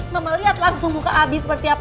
mama lihat langsung muka abi seperti apa